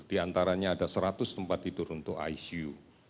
diantaranya ada seratus tempat tidur untuk icu